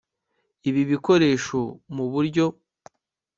Ibi bikoresho muburyo